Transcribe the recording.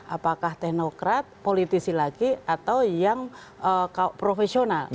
apakah teknokrat politisi lagi atau yang profesional